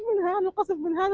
pintu pintu tersebut dihilang